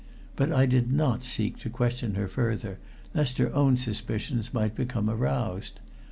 But I did not seek to question her further, lest her own suspicions might become aroused.